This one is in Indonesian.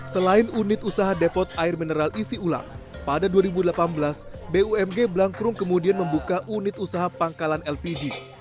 selain unit usaha depot air mineral isi ulang pada dua ribu delapan belas bumg blangkrum kemudian membuka unit usaha pangkalan lpg